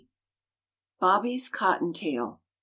BOBBY'S "COTTON TAIL."